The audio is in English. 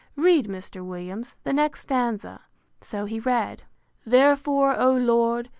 Read, Mr. Williams, the next stanza. So he read: VII. Therefore, O Lord!